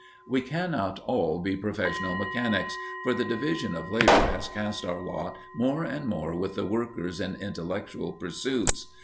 We cannot all be professional mechanics, for the division of labour has cast our lot more and more with the workers in intellectual pursuits.